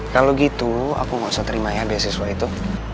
kalau gitu aku gak usah terima biaya siswa itu